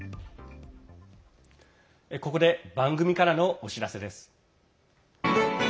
ここで番組からのお知らせです。